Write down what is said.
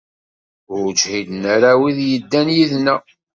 Ur ǧhiden ara wid yeddan yid-neɣ.